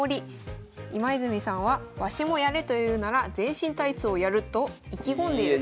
今泉さんはわしもやれというなら全身タイツをやると意気込んでいると。